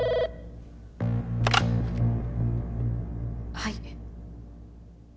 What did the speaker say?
☎はい。